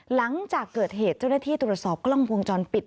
หลังจากเกิดเหตุเจ้าหน้าที่ตรวจสอบกล้องวงจรปิด